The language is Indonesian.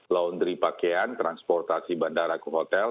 laundry pakaian transportasi bandara ke hotel